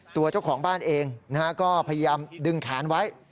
ตัวเจ้าของบ้านเองก็พยายามดึงแขนไว้